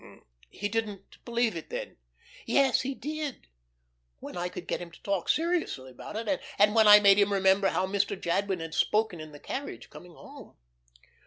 "He didn't believe it, then." "Yes he did when I could get him to talk seriously about it, and when I made him remember how Mr. Jadwin had spoken in the carriage coming home."